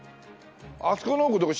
あそこの奥どこ？